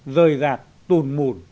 rời rạc tùn mùn